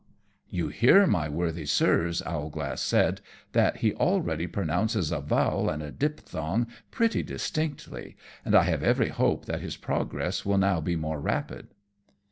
"You hear, my worthy Sirs," Owlglass said, "that he already pronounces a vowel and a diphthong pretty distinctly, and I have every hope that his progress will now be more rapid."